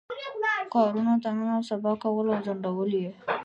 کارونو ته نن او سبا کول او ځنډول یې.